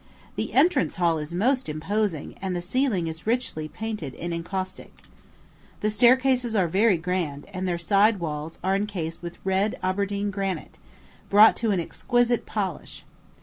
The entrance hall is most imposing, and the ceiling is richly painted in encaustic. The staircases are very grand, and their side walls are cased with red Aberdeen granite, brought to an exquisite polish.